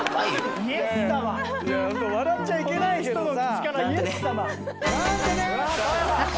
笑っちゃいけないけどさ。